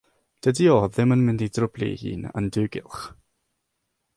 Dydi o ddim yn mynd i drwblu'i hun yn dy gylch.